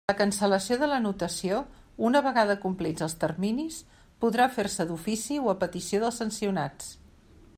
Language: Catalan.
La cancel·lació de l'anotació, una vegada complits els terminis, podrà fer-se d'ofici o a petició dels sancionats.